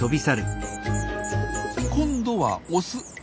今度はオス。